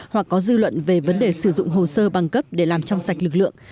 hoặc có dư luận về vấn đề sử dụng hồ sơ băng cấp để làm trong sạch lực lượng